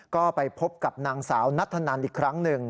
ก็ไปพบกับนางสาวนัทธนันอีกครั้งหนึ่ง